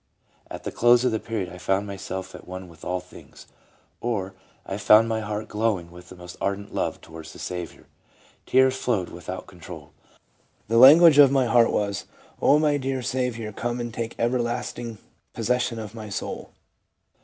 At the close of the period I found myself at one with all things." Or, " I found my heart glowing with the most ardent love towards the Saviour. Tears flowed without control. The language of my heart was, O my dear Saviour, come and take everlasting possession of my soul.